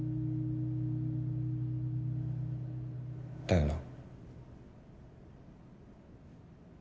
だよな？